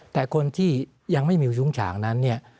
แต่คนที่ยังไม่มียุ้งฉางนั้นเนี่ย